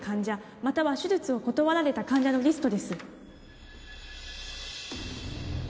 または手術を断られた患者のリストです